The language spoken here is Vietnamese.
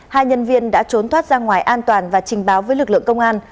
hai nhân viên đã trốn thoát ra ngoài an toàn và trình báo với lực lượng công an